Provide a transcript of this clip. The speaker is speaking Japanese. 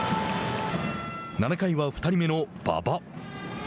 ７回は２人目の馬場。